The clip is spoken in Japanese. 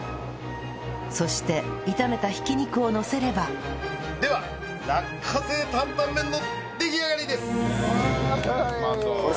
そして炒めた挽き肉をのせればでは落花生担々麺の出来上がりです！